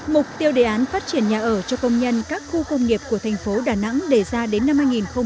mục tiêu đề án phát triển nhà ở cho công nhân các khu công nghiệp của thành phố đà nẵng đề ra đến năm hai nghìn hai mươi